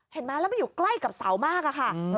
เห็นไหมแล้วไปอยู่ใกล้กับเสามากอะค่ะ